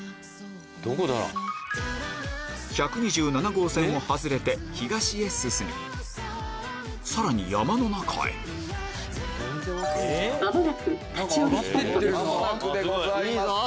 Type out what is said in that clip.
１２７号線を外れて東へ進みさらに山の中へ間もなくでございます。